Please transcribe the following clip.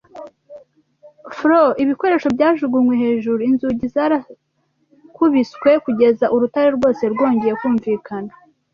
fro, ibikoresho byajugunywe hejuru, inzugi zarakubiswe, kugeza urutare rwose rwongeye kumvikana